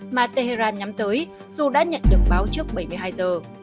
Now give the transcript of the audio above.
mà tehran nhắm tới dù đã nhận được báo trước bảy mươi hai giờ